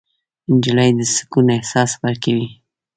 نجلۍ د سکون احساس ورکوي.